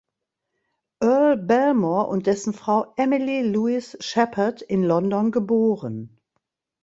Earl Belmore und dessen Frau Emily Louise Shepherd in London geboren.